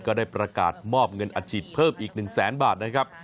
ก็ได้ประกาศมอบเงินอัดฉีดเพิ่มอีก๑แสนบาทนะครับ